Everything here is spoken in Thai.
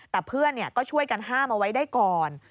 แต่เพื่อนก็ช่วยกันห้ามเอาไว้ได้ก่อน